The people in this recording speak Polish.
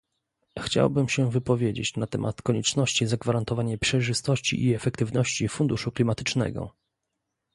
Chciałbym się wypowiedzieć na temat konieczności zagwarantowania przejrzystości i efektywności funduszu klimatycznego